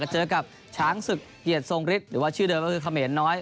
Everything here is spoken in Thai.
เจอกับช้างศึกเกียรติทรงฤทธิ์หรือว่าชื่อเดิมก็คือเขมรน้อย